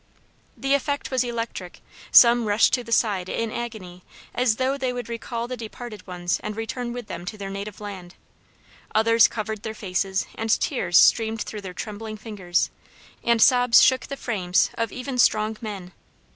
The effect was electric; some rushed to the side in agony as though they would recall the departed ones and return with them to their native land. Others covered their faces, and tears streamed through their trembling fingers, and sobs shook the frames of even strong men.